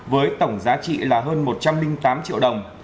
với tổng giá trị là hơn một trăm linh tám triệu đồng